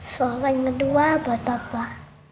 suapan pertama mbak mbak